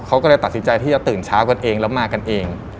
เขาก็เลยตัดสินใจที่จะตื่นเช้ากันเองแล้วมากันเอง